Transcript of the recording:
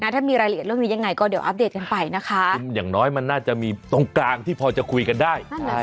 ถ้ามีรายละเอียดเรื่องนี้ยังไงก็เดี๋ยวอัปเดตกันไปนะคะคืออย่างน้อยมันน่าจะมีตรงกลางที่พอจะคุยกันได้